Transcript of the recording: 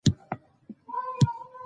خلک د خپلو کړنو په اړه فکر کوي.